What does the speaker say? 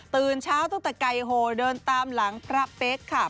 ตื่นเช้าตั้งแต่ไก่โหเดินตามหลังพระเป๊กค่ะ